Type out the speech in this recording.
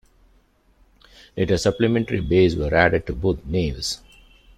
Later, supplementary bays were added to both naves.